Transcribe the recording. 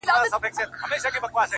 ځکه چي ماته يې زړگی ويلی؛